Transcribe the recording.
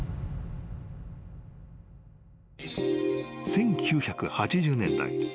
［１９８０年代。